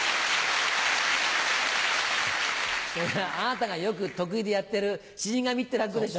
それあなたがよく得意でやってる『死神』って落語でしょ。